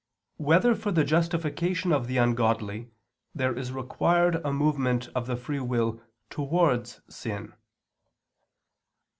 5] Whether for the Justification of the Ungodly There Is Required a Movement of the Free will Towards Sin?